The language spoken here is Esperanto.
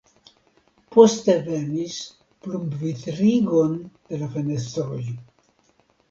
Poste venis plumbvitrigon de la fenestroj.